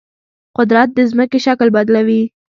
قدرت د ځمکې شکل بدلوي.